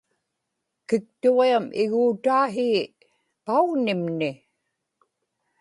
kiktuġiam iguutaa hii paugnimni